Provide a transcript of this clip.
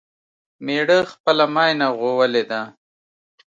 مېړه خپله ماينه غوولې ده